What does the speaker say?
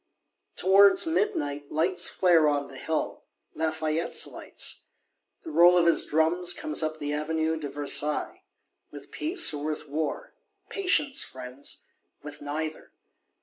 Towards midnight lights flare on the hill; Lafayette's lights! The roll of his drums comes up the Avenue de Versailles. With peace, or with war? Patience, friends! With neither.